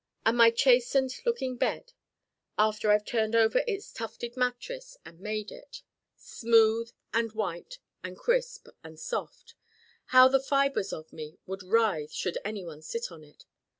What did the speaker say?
And my chastened looking bed after I've turned over its tufted mattress and 'made' it, smooth and white and crisp and soft how the fibers of me would writhe should anyone sit on it.